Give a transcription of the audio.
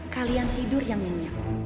kalian tidur yang nyanyi